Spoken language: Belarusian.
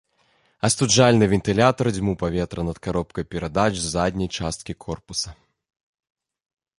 Астуджальны вентылятар дзьмуў паветра над каробкай перадач з задняй часткі корпуса.